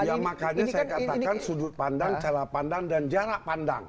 ya makanya saya katakan sudut pandang cara pandang dan jarak pandang